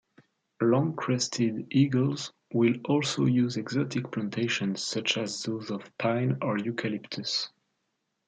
Long-crested eagles will also use exotic plantations such as those of pine or eucalyptus.